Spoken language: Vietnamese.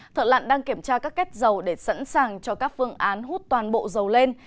thợ lặn đang kiểm tra các kết dầu để sẵn sàng cho các phương án hút toàn bộ dầu lên